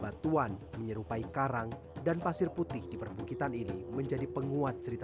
batuan menyerupai karang dan pasir putih di perbukitan ini menjadi penguat cerita